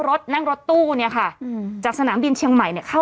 รถนั่งรถตู้เนี่ยค่ะอืมจากสนามบินเชียงใหม่เนี่ยเข้า